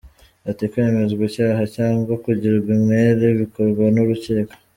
Ati “ kwemezwa icyaha cyangwa kugirwa umwere bikorwa n’urukiko.